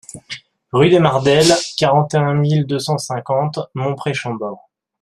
Rue des Mardelles, quarante et un mille deux cent cinquante Mont-près-Chambord